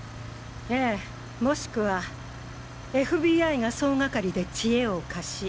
ええもしくはＦＢＩが総がかりで知恵を貸し